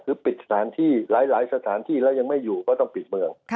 คือปิดสถานที่หลายสถานที่แล้วยังไม่อยู่ก็ต้องปิดเมือง